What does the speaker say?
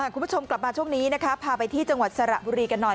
คุณผู้ชมกลับมาช่วงนี้นะคะพาไปที่จังหวัดสระบุรีกันหน่อย